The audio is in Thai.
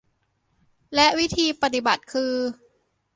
และวิธีปฏิบัติคือ